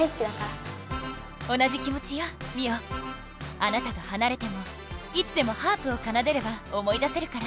あなたとはなれてもいつでもハープをかなでれば思い出せるから。